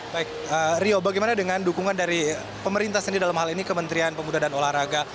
baik rio bagaimana dengan dukungan dari pemerintah sendiri dalam hal ini kementerian pemuda dan olahraga